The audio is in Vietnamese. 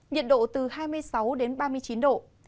nhiệt độ từ hai mươi sáu đến ba mươi chín độ